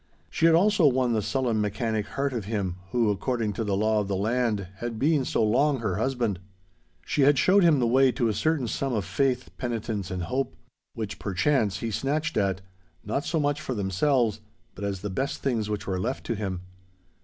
She had also won the sullen mechanic heart of him, who, according to the law of the land, had been so long her husband. She had showed him the way to a certain sum of faith, penitence, and hope. Which, perchance, he snatched at, not so much for themselves, but as the best things which were left to him.